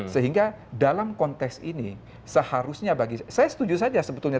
sehingga dalam konteks ini seharusnya bagi saya setuju saja sebetulnya